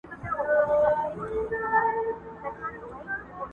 په نړۍ کي زموږ د توري شور ماشور وو،